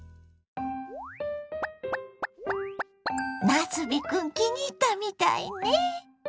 なすびクン気に入ったみたいね。